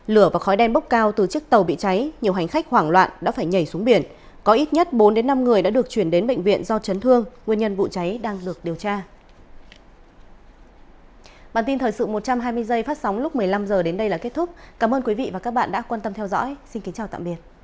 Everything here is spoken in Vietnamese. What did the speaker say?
lửa và khói đen bốc cao từ chiếc tàu bị cháy nhiều hành khách hoảng loạn đã phải nhảy xuống biển có ít nhất bốn năm người đã được chuyển đến bệnh viện do chấn thương nguyên nhân vụ cháy đang được điều tra